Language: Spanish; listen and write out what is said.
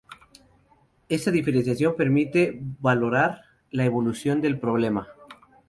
Esta diferenciación permite valorar la evolución del problema.